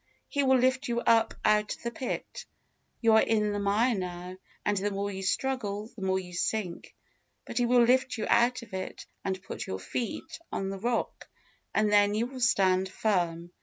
He will lift you up out of the pit. You are in the mire now, and the more you struggle the more you sink; but He will lift you out of it, and put your feet on the rock, and then you will stand firm.